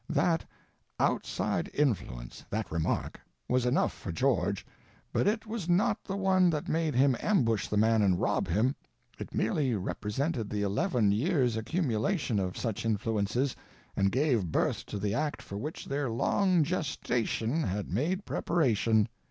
That _outside influence _—that remark—was enough for George, but _it _was not the one that made him ambush the man and rob him, it merely represented the eleven years' accumulation of such influences, and gave birth to the act for which their long gestation had made preparation.